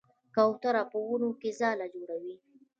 کوتره په ونو کې ځاله جوړوي.